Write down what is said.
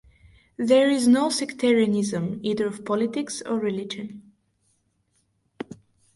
There is no sectarianism, either of politics or religion.